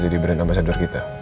jadi brand ambassador kita